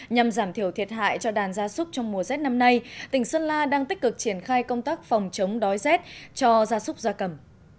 nhằm giảm thiểu thiệt hại cho đàn gia súc trong mùa rét năm nay tỉnh sơn la đang tích cực triển khai công tác phòng chống đói rét cho gia súc gia cầm